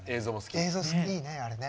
映像いいねあれね。